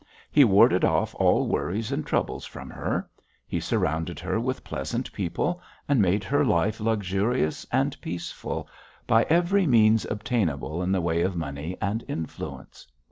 He warded off all worries and troubles from her; he surrounded her with pleasant people, and made her life luxurious and peaceful by every means obtainable in the way of money and influence.